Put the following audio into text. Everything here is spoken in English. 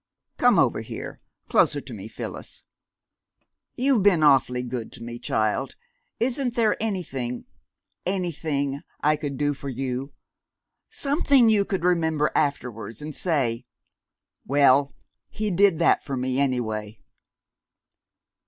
Come over here, closer to me, Phyllis. You've been awfully good to me, child isn't there anything anything I could do for you something you could remember afterwards, and say, 'Well, he did that for me, any way?'"